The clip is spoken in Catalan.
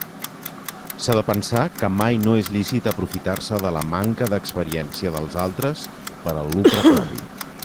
S'ha de pensar que mai no és lícit aprofitar-se de la manca d'experiència dels altres per al lucre propi.